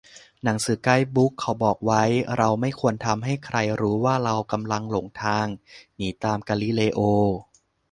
"หนังสือไกด์บุ๊กเขาบอกไว้ เราไม่ควรทำให้ใครรู้ว่าเรากำลังหลงทาง " หนีตามกาลิเลโอ